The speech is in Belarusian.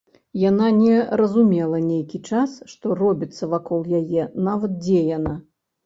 Яна не разумела нейкі час, што робіцца вакол яе, нават дзе яна.